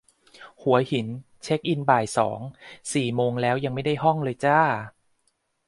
หัวหิน เช็คอินบ่ายสอง สี่โมงแล้วยังไม่ได้ห้องเลยจร้า